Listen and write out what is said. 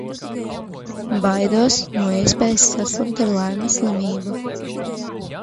Baidos no iespējas saslimt ar Laima slimību.